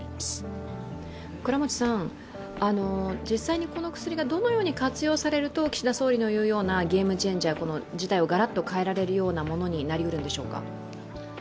実際にこの薬がどのように活用されると岸田総理のいうようなゲームチェンジャー事態をガラッと変えられるようなものになり得るんでしょうか。